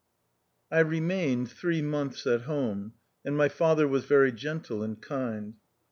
I remained three months at home, and my father was very gentle and kind.